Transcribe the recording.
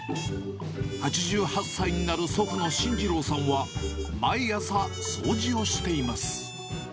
８８歳になる祖父の信次郎さんは、毎朝掃除をしています。